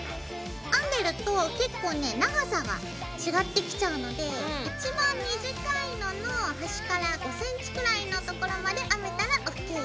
編んでると結構ね長さが違ってきちゃうので一番短いののはしから５ｃｍくらいのところまで編めたらＯＫ。